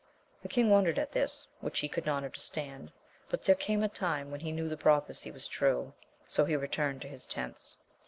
The king wondered at this, which he could not understand, but there came a time when he knew the prophecy was true. So he returned to his tents.